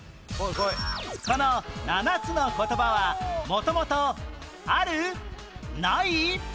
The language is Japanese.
この７つの言葉は元々ある？ない？